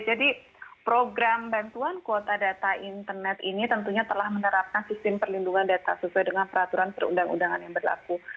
jadi program bantuan kuota data internet ini tentunya telah menerapkan sistem perlindungan data sesuai dengan peraturan perundang undangan yang berlaku